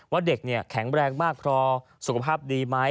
ว่าเด็กแข็งแรงมากพอสุขภาพดีไหม